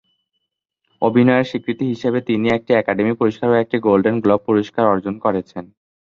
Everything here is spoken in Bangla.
অভিনয়ের স্বীকৃতি হিসেবে তিনি একটি একাডেমি পুরস্কার ও একটি গোল্ডেন গ্লোব পুরস্কার অর্জন করেছেন।